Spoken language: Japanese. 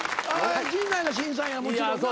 陣内が審査員もちろんな。